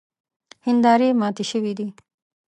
هیندارې ماتې شوې دي.